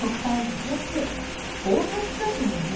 これって盗撮写真よね？